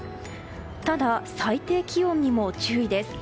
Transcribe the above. ただ、最低気温にも注意です。